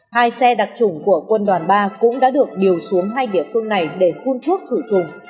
hai xe đặc trùng của quân đoàn ba cũng đã được điều xuống hai địa phương này để phun thuốc khử trùng